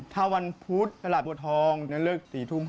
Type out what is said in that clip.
ถ้าวันพุธตลาดปวดทองนอกเลิก๔๐๐๕๐๐